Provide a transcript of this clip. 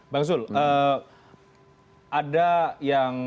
bang zul ada yang